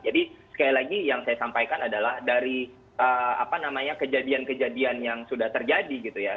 jadi sekali lagi yang saya sampaikan adalah dari kejadian kejadian yang sudah terjadi gitu ya